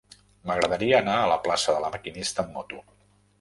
M'agradaria anar a la plaça de La Maquinista amb moto.